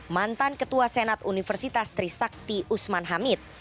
mantan ketua senat universitas trisakti usman hamid